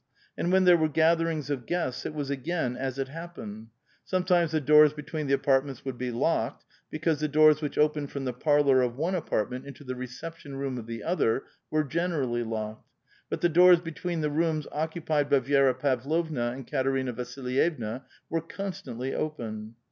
And when there were gatherings of guests, it was again as it happened ; sometimes the doors between the apartments would be locked, because the dooi s which opened from the parlor of one apartment into the reception room of the other were generally locked ; but the doors between the rooms occupied by Vi^ra Pavlovna and Katerina Vasilyevna were constantly open.